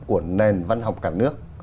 của nền văn học cả nước